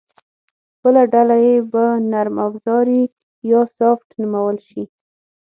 بله ډله یې به نرم اوزاري یا سافټ نومول شي